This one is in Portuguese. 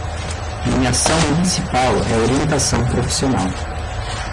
Nomeação municipal é orientação profissional